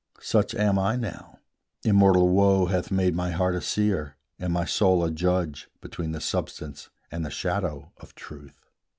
Such am I now: immortal woe hath made My heart a seer, and my soul a judge Between the substance and the shadow of Truth.